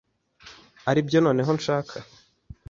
ari byo noneho nshaka